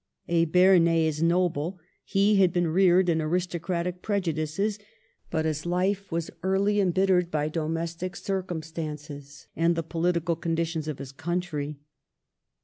A Bernese noble, he had been reared in aris tocratic prejudices, but his life was early embit tered by domestic circumstances and the political conditions of his country.